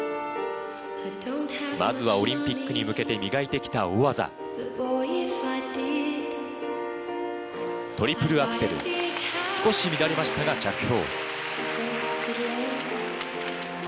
まずはオリンピックに向けて磨いて来た大技。トリプルアクセル。少し乱れましたが着氷。